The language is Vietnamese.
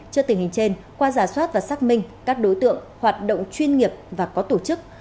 trước tình hình trên qua giả soát và xác minh các đối tượng hoạt động chuyên nghiệp và có tổ chức